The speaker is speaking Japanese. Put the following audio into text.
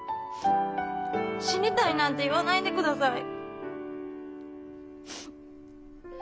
「死にたい」なんて言わないで下さい。